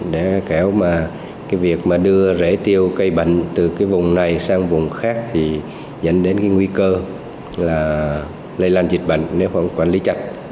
để kéo việc đưa rễ tiêu cây bệnh từ vùng này sang vùng khác dẫn đến nguy cơ lây lan dịch bệnh nếu không quản lý chặt